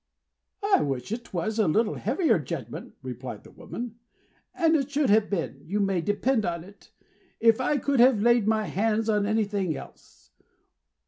"I wish it was a little heavier judgment," replied the woman; "and it should have been, you may depend upon it, if I could have laid my hands on anything else.